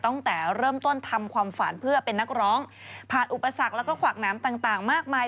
ตั้งแต่เริ่มต้นทำความฝันเพื่อเป็นนักร้องผ่านอุปสรรคแล้วก็ขวากน้ำต่างมากมาย